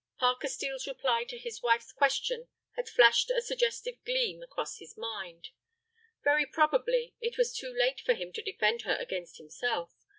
Parker Steel's reply to his wife's question had flashed a suggestive gleam across his mind. Very probably it was too late for him to defend her against himself.